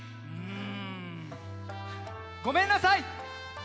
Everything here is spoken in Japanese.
うんごめんなさい。